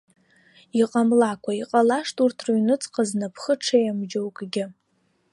Иҟамлакәа, иҟалашт урҭ рыҩнуҵҟа знапхы ҽеим џьоукгьы.